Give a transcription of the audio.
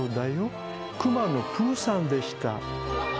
くまのプーさんでした。